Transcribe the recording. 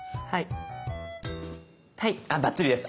はいバッチリです。